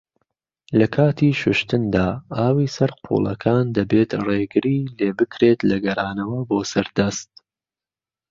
لەکاتی شوشتندا، ئاوی سەر قوڵەکان دەبێت ڕێگری لێبکرێت لە گەرانەوە بۆ سەر دەست.